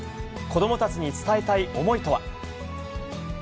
子どもたちに伝えたい思いとは。